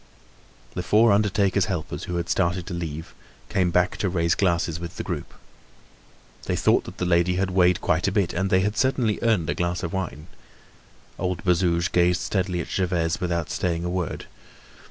The four undertaker's helpers, who had started to leave, came back to raise glasses with the group. They thought that the lady had weighed quite a bit and they had certainly earned a glass of wine. Old Bazouge gazed steadily at Gervaise without saying a word.